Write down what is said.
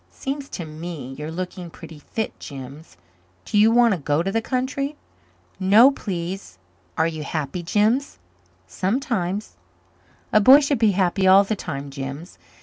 "It seems to me you're looking pretty fit, Jims. Do you want to go to the country?" "No, please." "Are you happy, Jims?" "Sometimes." "A boy should be happy all the time, Jims."